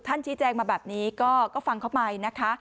ชี้แจงมาแบบนี้ก็ฟังเข้าไปนะคะ